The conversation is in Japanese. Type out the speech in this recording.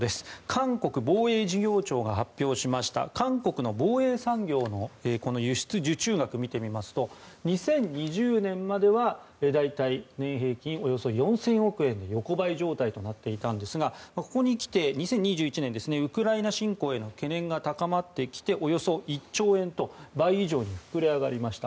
韓国防衛事業庁が発表しました韓国の防衛産業の輸出受注額を見てみますと２０２０年までは大体年平均およそ４０００億円の横ばい状態となっていたんですがここにきて２０２１年ウクライナ侵攻への懸念が高まってきて、およそ１兆円と倍以上に膨れ上がりました。